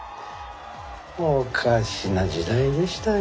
おかしな時代でしたよ。